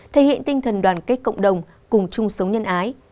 thể hiện tinh thần đoàn kết cộng đồng cùng chung sống nhân ái